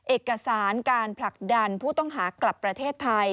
เอกสารการผลักดันผู้ต้องหากลับประเทศไทย